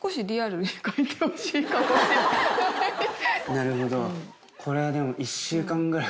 なるほど。